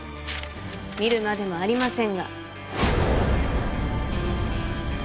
見るまでもありませんが。